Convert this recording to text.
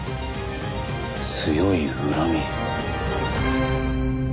強い恨み。